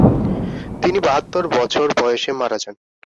তিনি বাহাত্তর বছর বয়সে মারা যান।